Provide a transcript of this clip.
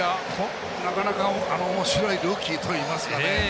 なかなかおもしろいルーキーといいますかね。